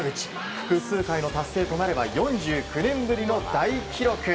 複数回の達成となれば４９年ぶりの大記録。